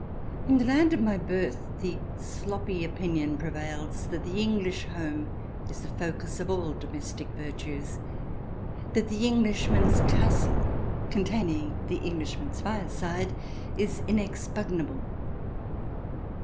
In the land of my birth the sloppy opinion prevails that the English home is the focus of all domestic virtues, that the Englishman's castle, containing the Englishman's fireside, is inexpugnable.